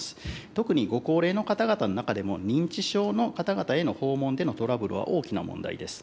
特にご高齢の方々の中でも認知症の方々への訪問でのトラブルは大きな問題です。